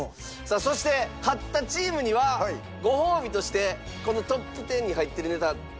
そして勝ったチームにはごほうびとしてこのトップ１０に入ってるネタどれでも。